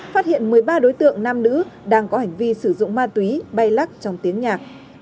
phát hiện một mươi ba đối tượng nam nữ đang có hành vi sử dụng ma túy bay lắc trong tiếng nhạc